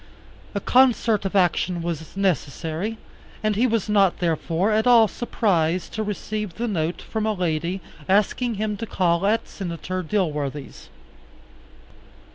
A concert of action was necessary, and he was not, therefore, at all surprised to receive the note from a lady asking him to call at Senator Dilworthy's.